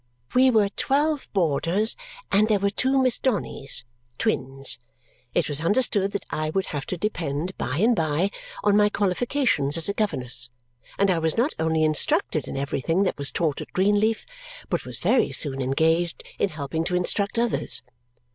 We were twelve boarders, and there were two Miss Donnys, twins. It was understood that I would have to depend, by and by, on my qualifications as a governess, and I was not only instructed in everything that was taught at Greenleaf, but was very soon engaged in helping to instruct others.